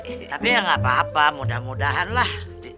tapi ya gak apa apa mudah mudahanlah